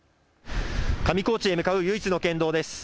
上高地へ向かう唯一の県道です。